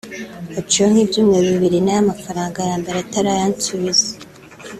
Haciyeho nk’ibyumweru bibiri nay a mafaranga ya mbere atarayansubiza